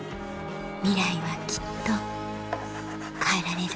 ミライはきっと変えられる